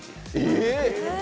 えっ！